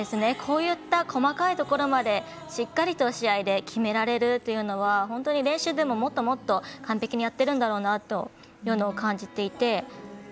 こういった細かいところまでしっかりと試合で決められるというのは本当に練習でももっともっと完璧にやってるんだろうなというのを感じていて。